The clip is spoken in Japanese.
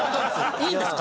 いいんですか？